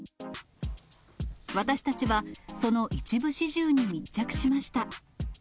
私たちは、その一部始終に密着しました。